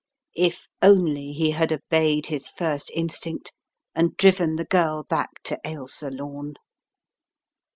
If only he had obeyed his first instinct, and driven the girl back to Ailsa Lome!